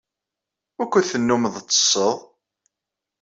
Wukud tennummeḍ tsetteḍ?